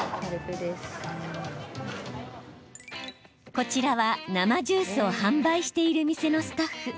こちらは、生ジュースを販売している店のスタッフ。